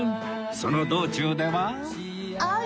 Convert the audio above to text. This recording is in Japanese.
その道中では